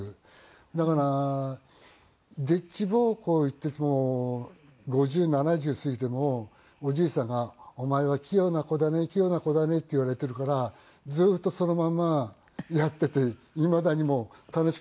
だから丁稚奉公行っても５０７０過ぎてもおじいさんが「お前は器用な子だね器用な子だね」って言われているからずっとそのまんまやっていていまだにもう楽しくてしょうがないっていう状態です。